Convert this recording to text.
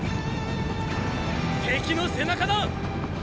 敵の背中だ！